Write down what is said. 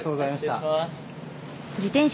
失礼します。